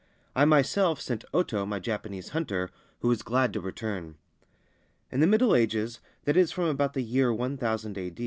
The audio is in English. I myself sent Oto, my Japanese hunter, who was glad to return. In the Middle Ages — that is, from about the year 1000 A.